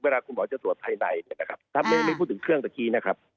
เวลาคุณหมอจะตรวจภายในเนี่ยนะครับถ้าไม่พูดถึงเครื่องตะกี้นะครับ